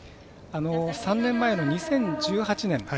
３年前の２０１８年。